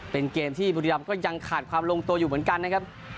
เป็นเกมที่บุรีรำก็ยังขาดความลงตัวอยู่เหมือนกันนะครับ